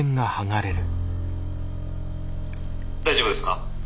「大丈夫ですか？」。